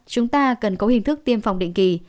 chúng ta cần có hình thức tiêm phòng định kỳ